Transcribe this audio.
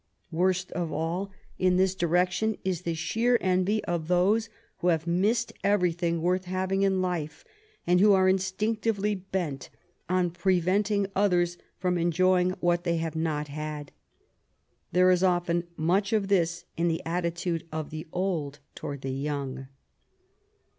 Worst of all, in this direction, is the sheer envy of those who have missed everything worth having in life, and who are instinctively bent on preventing others from enjoying what they have not had. There is often much of this in the attitude of the old toward the young.